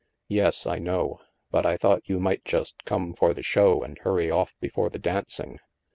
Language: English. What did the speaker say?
"Yes, I know. But I thought you might just come for the show and hurry off before the dancing.